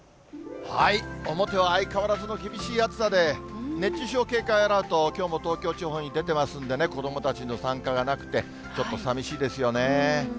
表は相変わらずの厳しい暑さで、熱中症警戒アラート、きょうも東京地方に出てますんでね、子どもたちの参加がなくて、ちょっとさみしいですよね。